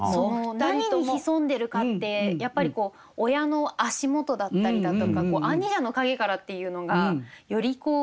何にひそんでるかってやっぱり親の足元だったりだとか兄者の陰からっていうのがより鮮明に。